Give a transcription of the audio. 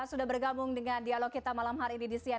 sudah bergabung dengan dialog kita malam hari ini di cnn id com ar